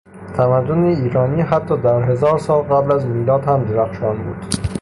تمدن ایرانی حتی در هزار سال قبل از میلاد هم درخشان بود.